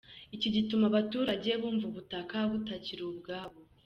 Iki gituma abaturage bumva ubutaka butakiri ubwabo.